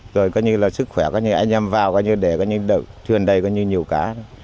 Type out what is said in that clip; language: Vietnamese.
rồi sức khỏe anh em vào để thuyền đầy nhiều cá